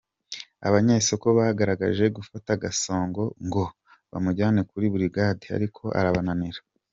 Abanyesoko bagerageje gufata Gasongo ngo bamujyane kuri burigade, ariko arabananira.